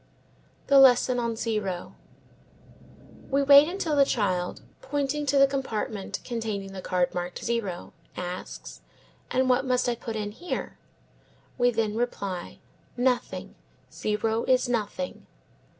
The Lesson on Zero. We wait until the child, pointing to the compartment containing the card marked zero, asks, "And what must I put in here?" We then reply, "Nothing; zero is nothing."